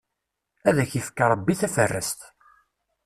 Ad ak-ifk, Ṛebbi taferrast!